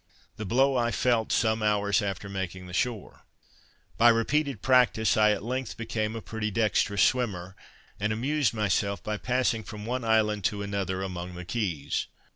The blow I felt some hours after making the shore. By repeated practice, I at length became a pretty dexterous swimmer, and amused myself by passing from one island to another, among the keys.